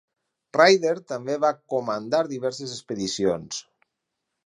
Ryder també va comandar diverses expedicions.